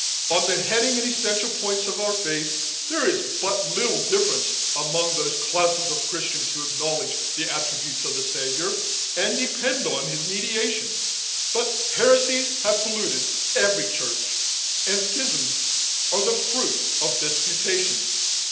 On the heading and essential points of our faith, there is but little difference among those classes of Christians who acknowledge the attributes of the Saviour, and depend on his mediation. But heresies have polluted every church, and schisms are the fruit of disputation.